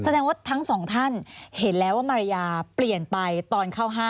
แสดงว่าทั้งสองท่านเห็นแล้วว่ามารยาเปลี่ยนไปตอนเข้า๕